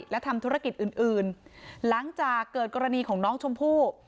และทำธุรกิจอื่นอื่นหลังจากเกิดกรณีของน้องชมพู่